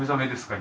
今。